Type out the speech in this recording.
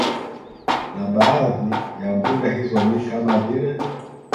Na baadhi ya mbuga hizo ni kama vile